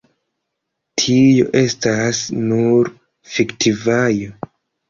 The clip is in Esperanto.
Tio estas nur fiktivaĵo.